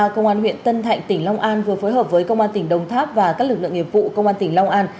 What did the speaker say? công an huyện tân thạnh tỉnh long an vừa phối hợp với công an tỉnh đồng tháp và các lực lượng nghiệp vụ công an tỉnh long an